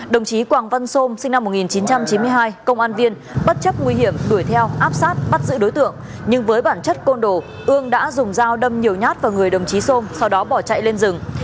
đồng chí quảng văn sôm sinh năm một nghìn chín trăm chín mươi hai công an viên bất chấp nguy hiểm đuổi theo áp sát bắt giữ đối tượng nhưng với bản chất côn đồ ương đã dùng dao đâm nhiều nhát vào người đồng chí sôm sau đó bỏ chạy lên rừng